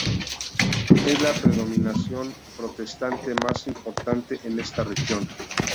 Es la denominación Protestante más importante en esta región.